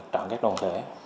trạm các đồng thể